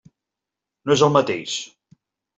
No és el mateix.